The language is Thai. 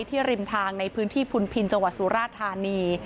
ริมทางในพื้นที่พุนพินจังหวัดสุราธานี